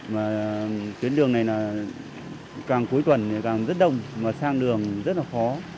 mà tuyến đường này là càng cuối tuần càng rất đông mà sang đường rất là khó